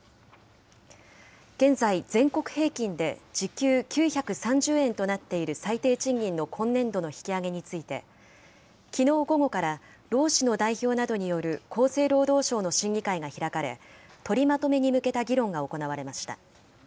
現在、全国平均で時給９３０円となっている最低賃金の今年度の引き上げについて、きのう午後から労使の代表などによる厚生労働省の審議会が開かれ、取りまとめに向けた議論が行われました。